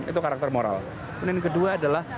itu karakter moral kemudian kedua adalah